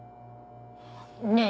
ねえ